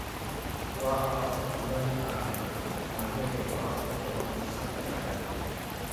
واہ آج تو مزہ ہی آ گیا پر ماریہ کے باپ پر بہت غصہ بھی آیا